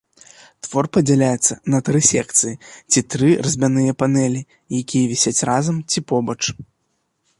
Твор падзяляецца на тры секцыі ці тры разьбяныя панэлі, якія вісяць разам ці побач.